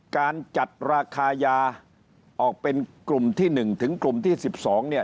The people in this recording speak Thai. การจัดราคายาออกเป็นกลุ่มที่๑ถึงกลุ่มที่๑๒เนี่ย